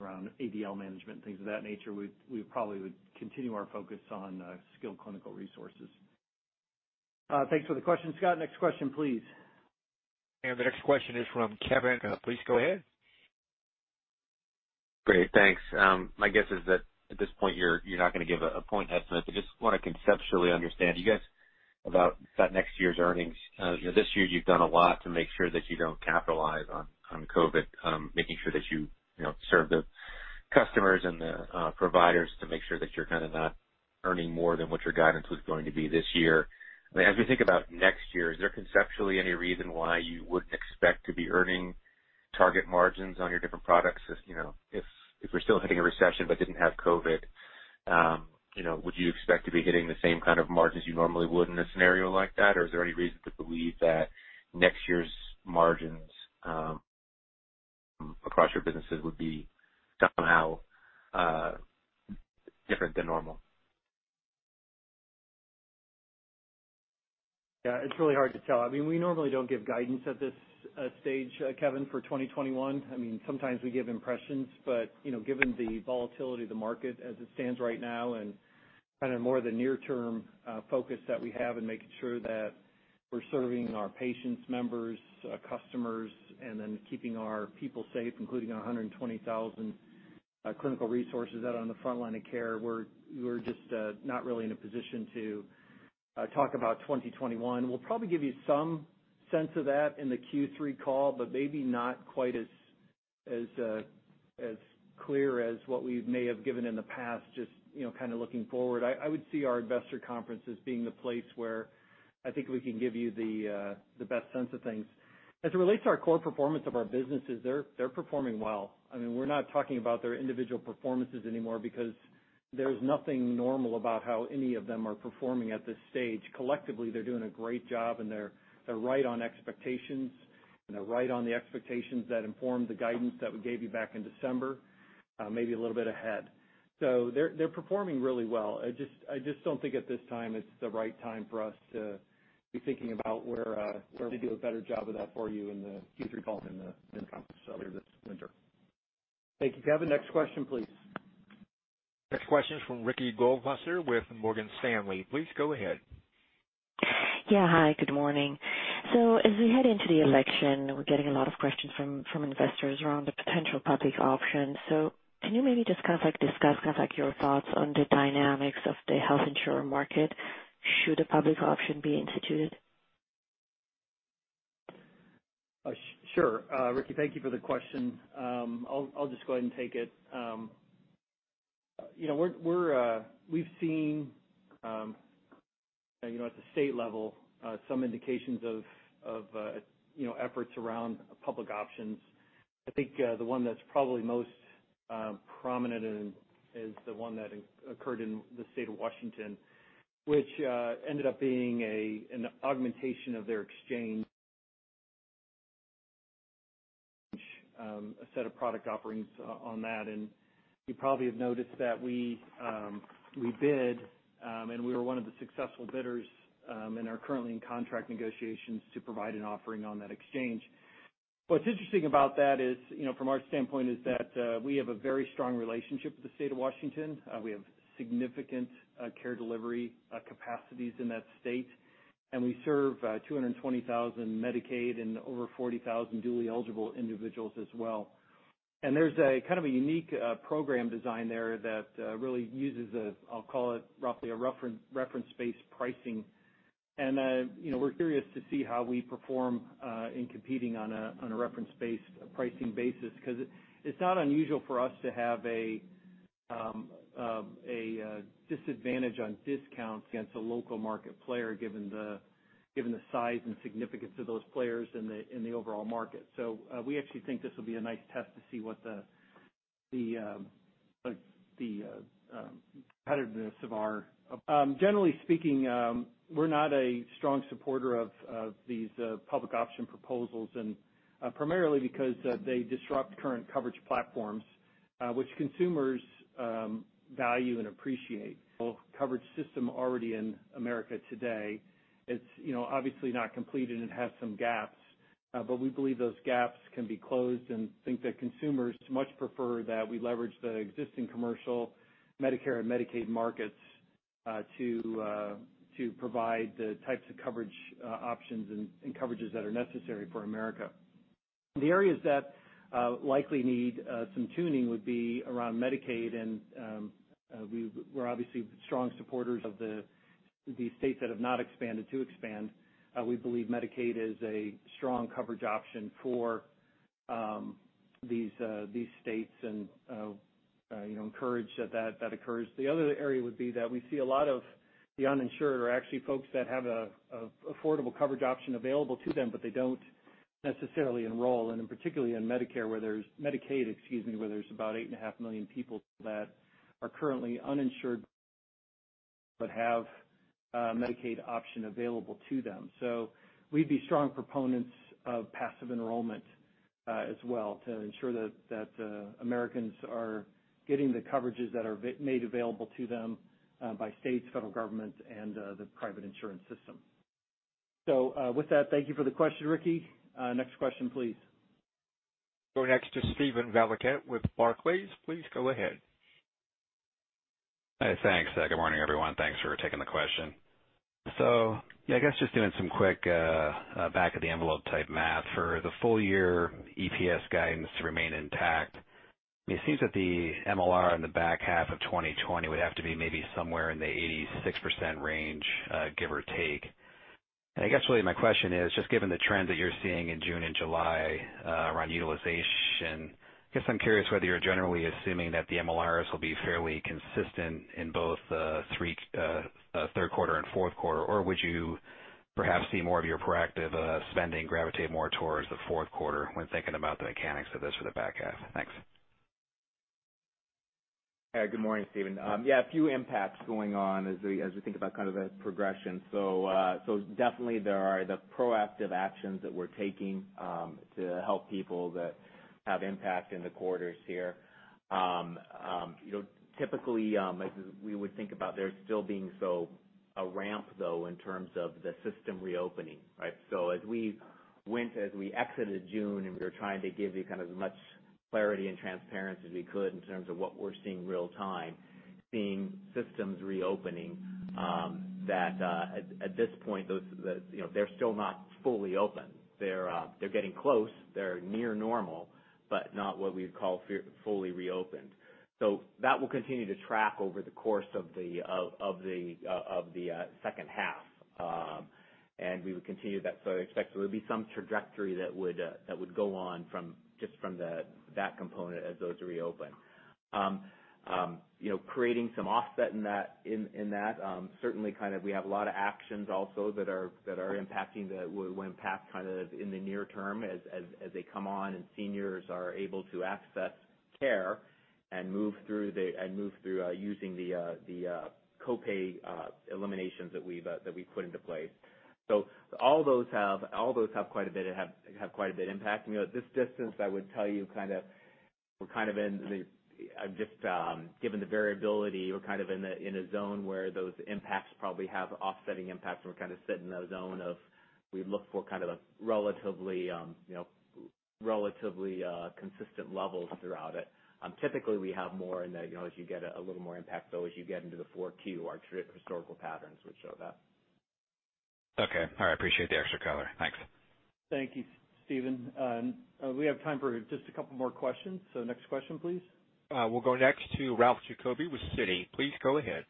Speaker 2: around ADL management and things of that nature. We probably would continue our focus on skilled clinical resources. Thanks for the question, Scott. Next question, please.
Speaker 1: The next question is from Kevin. Please go ahead.
Speaker 19: Great, thanks. My guess is that at this point, you're not going to give a point estimate. I just want to conceptually understand you guys about next year's earnings. This year you've done a lot to make sure that you don't capitalize on COVID, making sure that you serve the customers and the providers to make sure that you're kind of not earning more than what your guidance was going to be this year. As we think about next year, is there conceptually any reason why you wouldn't expect to be earning target margins on your different products? If we're still hitting a recession but didn't have COVID, would you expect to be hitting the same kind of margins you normally would in a scenario like that? Is there any reason to believe that next year's margins across your businesses would be somehow different than normal?
Speaker 2: Yeah, it's really hard to tell. We normally don't give guidance at this stage, Kevin, for 2021. Sometimes we give impressions, but given the volatility of the market as it stands right now and kind of more the near-term focus that we have in making sure that we're serving our patients, members, customers, and then keeping our people safe, including our 120,000 clinical resources out on the front line of care, we're just not really in a position to talk about 2021. We'll probably give you some sense of that in the Q3 call, but maybe not quite as clear as what we may have given in the past, just kind of looking forward. I would see our investor conference as being the place where I think we can give you the best sense of things. As it relates to our core performance of our businesses, they're performing well. We're not talking about their individual performances anymore because there's nothing normal about how any of them are performing at this stage. Collectively, they're doing a great job, and they're right on expectations, and they're right on the expectations that informed the guidance that we gave you back in December. Maybe a little bit ahead. They're performing really well. I just don't think at this time it's the right time for us to be thinking about where we could do a better job of that for you in the Q3 call later this winter. Thank you, Kevin. Next question, please.
Speaker 1: Next question is from Ricky Goldwasser with Morgan Stanley. Please go ahead.
Speaker 20: Yeah. Hi, good morning. As we head into the election, we're getting a lot of questions from investors around the potential public option. Can you maybe just discuss your thoughts on the dynamics of the health insurer market should a public option be instituted?
Speaker 2: Sure. Ricky, thank you for the question. I'll just go ahead and take it. We've seen at the state level some indications of efforts around public options. I think the one that's probably most prominent is the one that occurred in the state of Washington, which ended up being an augmentation of their exchange, a set of product offerings on that. You probably have noticed that we bid, and we were one of the successful bidders, and are currently in contract negotiations to provide an offering on that exchange. What's interesting about that is, from our standpoint is that we have a very strong relationship with the state of Washington. We have significant care delivery capacities in that state, and we serve 220,000 Medicaid and over 40,000 dually eligible individuals as well. There's a kind of a unique program design there that really uses, I'll call it roughly, a reference-based pricing. We're curious to see how we perform in competing on a reference-based pricing basis, because it's not unusual for us to have a disadvantage on discounts against a local market player, given the size and significance of those players in the overall market. We actually think this will be a nice test to see what the competitiveness of. Generally speaking, we're not a strong supporter of these public option proposals, and primarily because they disrupt current coverage platforms, which consumers value and appreciate. Coverage system already in America today. It's obviously not complete and it has some gaps. We believe those gaps can be closed and think that consumers much prefer that we leverage the existing commercial Medicare and Medicaid markets to provide the types of coverage options and coverages that are necessary for America. The areas that likely need some tuning would be around Medicaid, and we're obviously strong supporters of the states that have not expanded to expand. We believe Medicaid is a strong coverage option for these states and encourage that that occurs. The other area would be that we see a lot of the uninsured are actually folks that have an affordable coverage option available to them, but they don't necessarily enroll, and particularly in Medicaid, excuse me, where there's about 8.5 million people that are currently uninsured but have a Medicaid option available to them. We'd be strong proponents of passive enrollment as well to ensure that Americans are getting the coverages that are made available to them by states, federal government, and the private insurance system. With that, thank you for the question, Ricky. Next question please.
Speaker 1: Go next to Steven Valiquette with Barclays. Please go ahead.
Speaker 21: Thanks. Good morning, everyone. Thanks for taking the question. I guess just doing some quick back of the envelope type math. For the full year EPS guidance to remain intact, it seems that the MLR in the back half of 2020 would have to be maybe somewhere in the 86% range, give or take. I guess really my question is, just given the trends that you're seeing in June and July around utilization, I guess I'm curious whether you're generally assuming that the MLRs will be fairly consistent in both the third quarter and fourth quarter, or would you perhaps see more of your proactive spending gravitate more towards the fourth quarter when thinking about the mechanics of this for the back half? Thanks.
Speaker 3: Good morning, Steven. Yeah, a few impacts going on as we think about kind of the progression. Definitely there are the proactive actions that we're taking to help people that have impact in the quarters here. Typically, we would think about there still being a ramp, though, in terms of the system reopening. Right? As we exited June, and we were trying to give you kind of as much clarity and transparency as we could in terms of what we're seeing real time, seeing systems reopening, that at this point, they're still not fully open. They're getting close. They're near normal, but not what we'd call fully reopened. That will continue to track over the course of the second half. We would continue that. I expect there will be some trajectory that would go on just from that component as those reopen. Creating some offset in that, certainly we have a lot of actions also that will impact in the near term as they come on, and seniors are able to access care and move through using the co-pay eliminations that we put into place. All those have quite a bit impact. At this distance, I would tell you, just given the variability, we're kind of in a zone where those impacts probably have offsetting impacts, and we kind of sit in the zone of we look for kind of the relatively consistent levels throughout it. Typically, we have more, as you get a little more impact, though, as you get into the four Q, our historical patterns would show that.
Speaker 21: Okay. All right. I appreciate the extra color. Thanks.
Speaker 2: Thank you, Steven. We have time for just a couple more questions. Next question, please.
Speaker 1: We'll go next to Ralph Giacobbe with Citi. Please go ahead.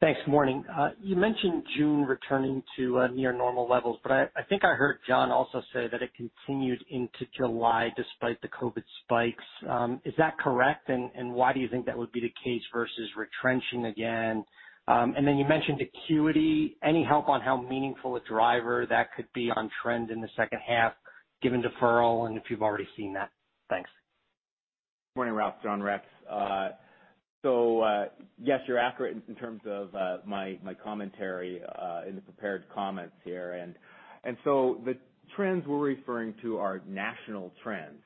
Speaker 22: Thanks. Morning. You mentioned June returning to near normal levels. I think I heard John also say that it continued into July despite the COVID spikes. Is that correct? Why do you think that would be the case versus retrenching again? You mentioned acuity. Any help on how meaningful a driver that could be on trend in the second half, given deferral and if you've already seen that? Thanks.
Speaker 3: Morning, Ralph. John Rex. Yes, you're accurate in terms of my commentary in the prepared comments here. The trends we're referring to are national trends.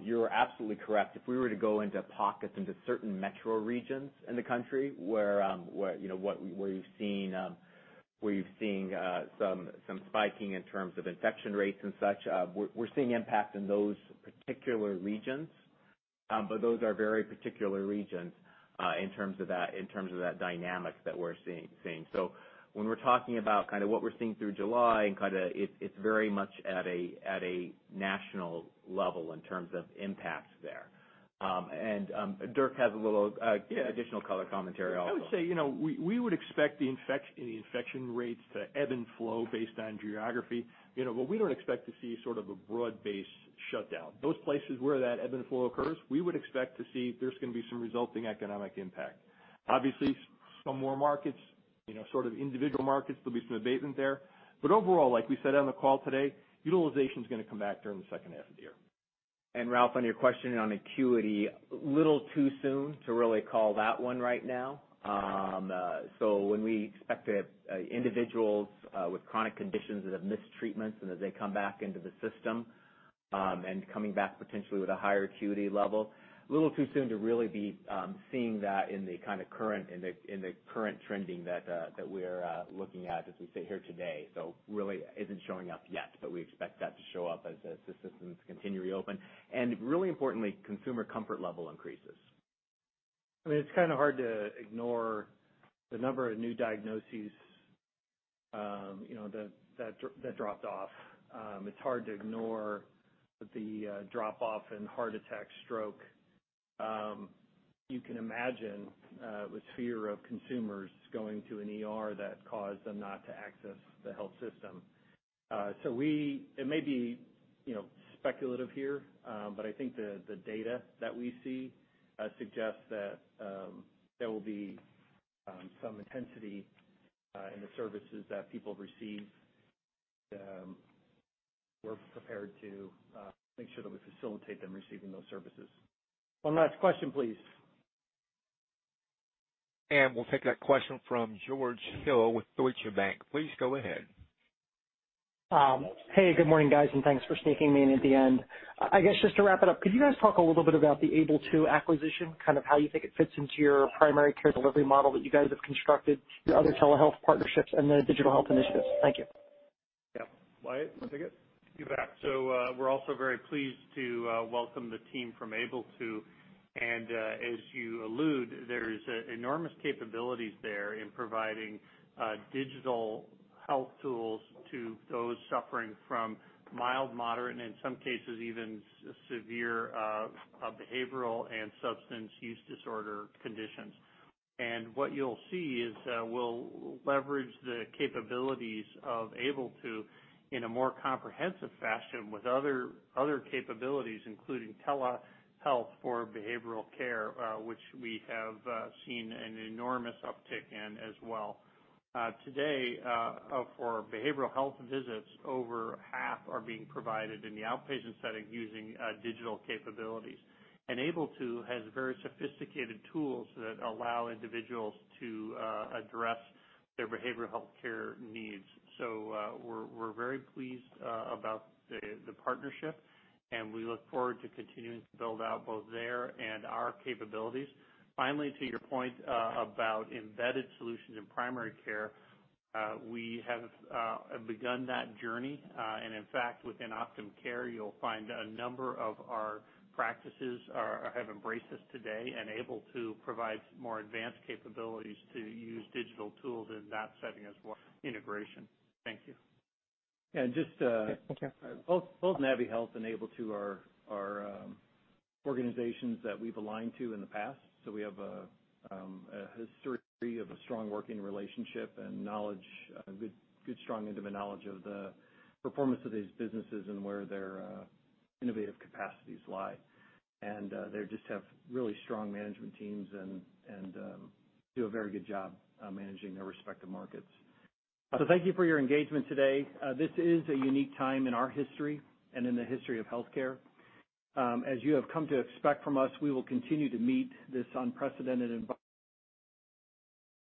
Speaker 3: You're absolutely correct. If we were to go into pockets, into certain metro regions in the country, where you've seen some spiking in terms of infection rates and such, we're seeing impact in those particular regions. Those are very particular regions in terms of that dynamic that we're seeing. When we're talking about what we're seeing through July, it's very much at a national level in terms of impacts there. Dirk has a little-
Speaker 10: Yeah
Speaker 3: additional color commentary also.
Speaker 10: I would say, we would expect the infection rates to ebb and flow based on geography. What we don't expect to see sort of a broad-based shutdown. Those places where that ebb and flow occurs, we would expect to see there's going to be some resulting economic impact. Obviously, some more markets, sort of individual markets, there'll be some abatement there. Overall, like we said on the call today, utilization's going to come back during the second half of the year.
Speaker 3: Ralph, on your question on acuity, a little too soon to really call that one right now. When we expect individuals with chronic conditions that have missed treatments, and as they come back into the system, and coming back potentially with a higher acuity level, a little too soon to really be seeing that in the kind of current trending that we're looking at as we sit here today. Really isn't showing up yet, but we expect that to show up as the systems continue to reopen. Really importantly, consumer comfort level increases.
Speaker 10: I mean, it's kind of hard to ignore the number of new diagnoses that dropped off. It's hard to ignore the drop-off in heart attack, stroke. You can imagine, with fear of consumers going to an ER that caused them not to access the health system. It may be speculative here, but I think the data that we see suggests that there will be some intensity in the services that people receive. We're prepared to make sure that we facilitate them receiving those services. One last question, please.
Speaker 1: We'll take that question from George Hill with Deutsche Bank. Please go ahead.
Speaker 23: Hey, good morning, guys. Thanks for sneaking me in at the end. I guess just to wrap it up, could you guys talk a little bit about the AbleTo acquisition, kind of how you think it fits into your primary care delivery model that you guys have constructed, your other telehealth partnerships, and the digital health initiatives? Thank you.
Speaker 10: Yep. Wyatt, want to take it?
Speaker 8: You bet. We're also very pleased to welcome the team from AbleTo, and as you allude, there's enormous capabilities there in providing digital health tools to those suffering from mild, moderate, and in some cases even severe behavioral and substance use disorder conditions. What you'll see is we'll leverage the capabilities of AbleTo in a more comprehensive fashion with other capabilities, including telehealth for behavioral care, which we have seen an enormous uptick in as well. Today, for behavioral health visits, over half are being provided in the outpatient setting using digital capabilities. AbleTo has very sophisticated tools that allow individuals to address their behavioral healthcare needs. We're very pleased about the partnership, and we look forward to continuing to build out both their and our capabilities. Finally, to your point about embedded solutions in primary care, we have begun that journey. In fact, within Optum Care, you'll find a number of our practices have embraced this today. AbleTo provides more advanced capabilities to use digital tools in that setting as well. Integration. Thank you.
Speaker 2: Yeah. And just-
Speaker 23: Okay. Thank you
Speaker 2: both naviHealth and AbleTo are organizations that we've aligned to in the past, so we have a history of a strong working relationship and good, strong intimate knowledge of the performance of these businesses and where their innovative capacities lie. They just have really strong management teams and do a very good job managing their respective markets. Thank you for your engagement today. This is a unique time in our history and in the history of healthcare. As you have come to expect from us, we will continue to meet this unprecedented environment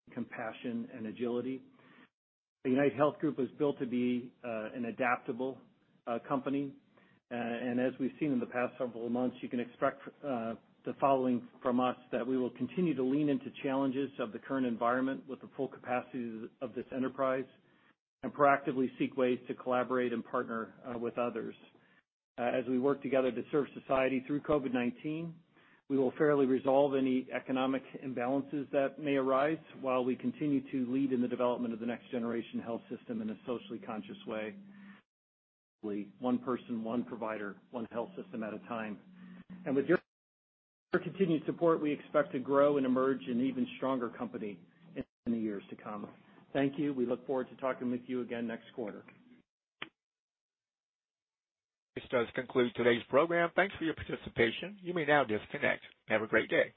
Speaker 2: with compassion and agility. UnitedHealth Group was built to be an adaptable company. As we've seen in the past several months, you can expect the following from us: that we will continue to lean into challenges of the current environment with the full capacity of this enterprise and proactively seek ways to collaborate and partner with others. As we work together to serve society through COVID-19, we will fairly resolve any economic imbalances that may arise while we continue to lead in the development of the next-generation health system in a socially conscious way, one person, one provider, one health system at a time. With your continued support, we expect to grow and emerge an even stronger company in the years to come. Thank you. We look forward to talking with you again next quarter.
Speaker 1: This does conclude today's program. Thanks for your participation. You may now disconnect. Have a great day.